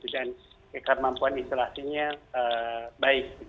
dan kemampuan isolasinya baik